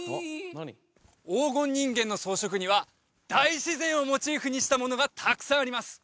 黄金人間の装飾には大自然をモチーフにしたものがたくさんあります